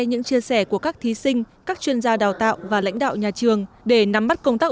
những chia sẻ của các thí sinh các chuyên gia đào tạo và lãnh đạo nhà trường để nắm bắt công